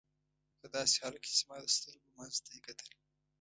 په داسې حال کې چې زما د سترګو منځ ته دې کتل.